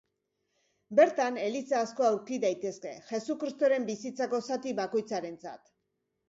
Bertan eliza asko aurki daitezke, Jesukristoren bizitzako zati bakoitzarentzat.